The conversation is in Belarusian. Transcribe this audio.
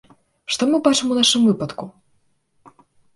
Што мы бачым у нашым выпадку?